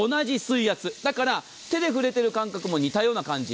だから手で触れてる感覚も似たような感じ。